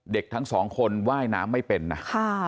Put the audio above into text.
เด็กทั้งสองคนว่ายน้ำไม่เป็นนะ